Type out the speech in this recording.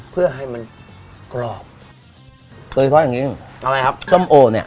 เพื่อให้มันกรอบเพราะแบบนี้อะไรครับส้มโอเนี่ย